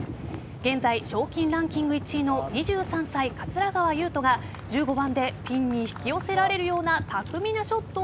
現在、賞金ランキング１位の２３歳、桂川有人が１５番でピンに引き寄せられるようなすごいショット。